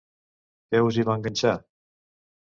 Què us hi va enganxar?